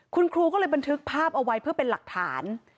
คุณครูก็เลยบันทึกภาพเอาไว้เพื่อเป็นหลักฐาน